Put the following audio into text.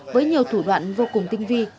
với nhiều thủ đoạn vô cùng tinh vi